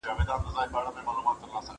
زه اجازه لرم چي وخت ونیسم